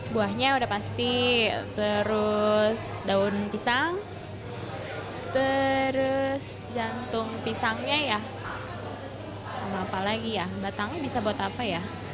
buahnya udah pasti terus daun pisang terus jantung pisangnya ya sama apa lagi ya batangnya bisa buat apa ya